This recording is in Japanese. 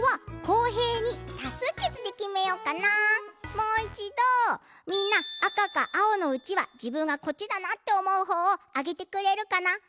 もう１どみんなあかかあおのうちわじぶんがこっちだなっておもうほうをあげてくれるかな？